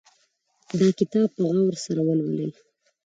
دا کتاب په غور سره ولولئ